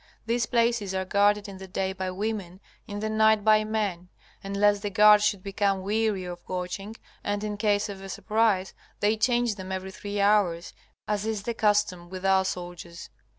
These places are guarded in the day by women, in the night by men. And lest the guard should become weary of watching, and in case of a surprise, they change them every three hours, as is the custom with our soldiers.